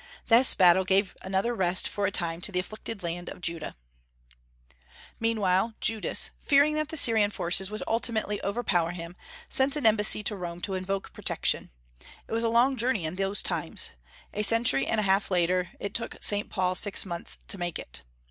This battle gave another rest for a time to the afflicted land of Judah. Meanwhile Judas, fearing that the Syrian forces would ultimately overpower him, sent an embassy to Rome to invoke protection. It was a long journey in those times. A century and a half later it took Saint Paul six months to make it.